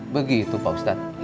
begitu pak ustadz